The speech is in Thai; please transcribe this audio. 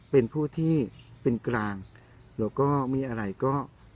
เป็นผู้ที่เป็นกลางแล้วก็มีอะไรก็